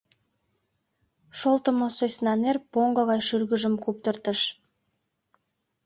— шолтымо сӧсна нер поҥго гай шӱргыжым куптыртыш.